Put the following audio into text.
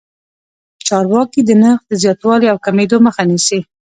چارواکي د نرخ د زیاتوالي او کمېدو مخه نیسي.